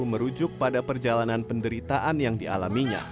merujuk pada perjalanan penderitaan yang dialaminya